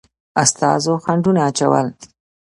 استازو خنډونه اچول.